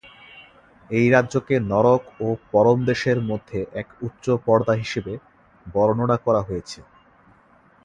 এই রাজ্যকে নরক ও পরমদেশের মধ্যে এক উচ্চ পর্দা হিসেবে বর্ণনা করা হয়েছে।